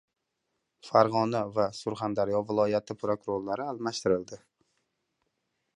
Farg‘ona va Surxondaryo viloyati prokurorlari almashtirildi